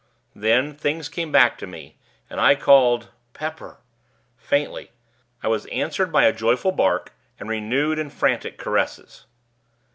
Then, things came back to me, and I called 'Pepper,' faintly. I was answered by a joyful bark, and renewed and frantic caresses.